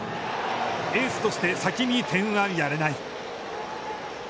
エースとして、先に点はやれない。